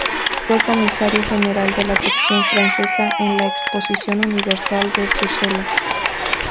Fue comisario general de la sección francesa en la Exposición Universal de Bruselas.